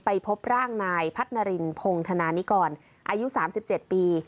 พบร่างนายพัฒนารินพงธนานิกรอายุ๓๗ปี